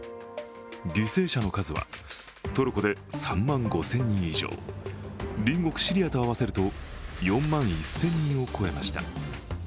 犠牲者の数はトルコで３万５０００人以上隣国シリアと合わせると４万１０００人を超えました。